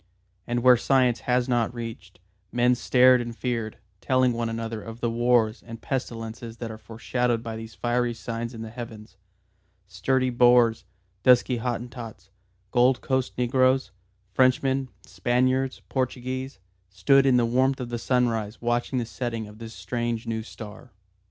And where science has not reached, men stared and feared, telling one another of the wars and pestilences that are foreshadowed by these fiery signs in the Heavens. Sturdy Boers, dusky Hottentots, Gold Coast negroes, Frenchmen, Spaniards, Portuguese, stood in the warmth of the sunrise watching the setting of this strange new star.